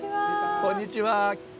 こんにちは。